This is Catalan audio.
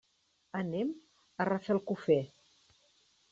Anem a Rafelcofer.